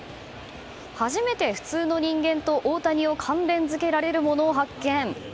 初めて普通の人間と大谷を関連付けられるものを発見。